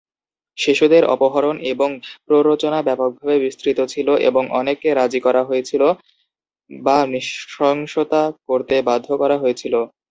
শিশুদের অপহরণ এবং প্ররোচনা ব্যাপকভাবে বিস্তৃত ছিল এবং অনেককে রাজি করা হয়েছিল বা নৃশংসতা করতে বাধ্য করা হয়েছিল।